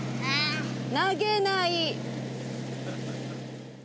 投げない！